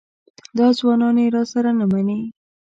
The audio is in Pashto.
دا ځوانان یې راسره نه مني.